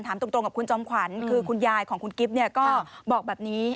ถามตรงกับคุณจอมขวัญคือคุณยายของคุณกิ๊บเนี่ยก็บอกแบบนี้